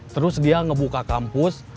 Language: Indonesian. terus dia ngebuka kampus